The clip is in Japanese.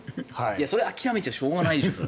それを諦めちゃしょうがないでしょ。